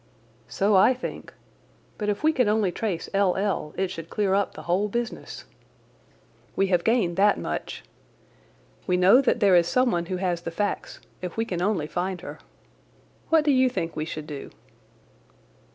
"So I think. But if we can only trace L. L. it should clear up the whole business. We have gained that much. We know that there is someone who has the facts if we can only find her. What do you think we should do?"